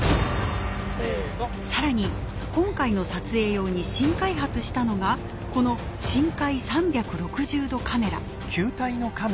さらに今回の撮影用に新開発したのがこの深海３６０度カメラ。